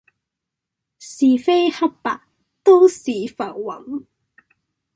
是非黑白都是浮雲